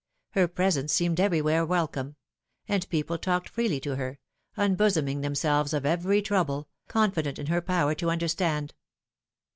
Her presence seemed everywhere wel come ; and people talked freely to her, unbosoming themselves of every trouble, confident in her power to understand.